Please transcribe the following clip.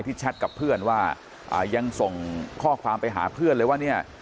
แชทกับเพื่อนว่ายังส่งข้อความไปหาเพื่อนเลยว่าเนี่ย